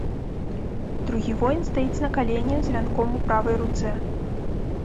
Другі воін стаіць на калене з вянком у правай руцэ.